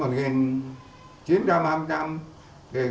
tới năm một nghìn chín trăm hai mươi năm người về quảng châu đã gần với việt nam